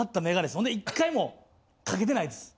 ほんで１回もかけてないです。